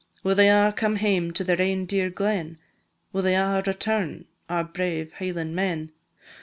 Will they a' come hame to their ain dear glen? Will they a' return, our brave Hieland men?